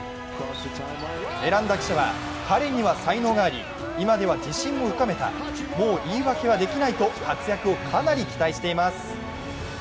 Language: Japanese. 選んだ記者は、彼には才能があり今では自信も深めた、もう言い訳はできないと活躍をかなり期待しています。